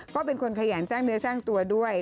ก็เป็นคนขยันสร้างเนื้อสร้างตัวด้วย